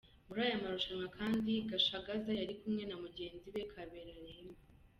Muri aya marushanwa kandi Gashagaza yari kumwe na mugenzi we Kabera Rehema.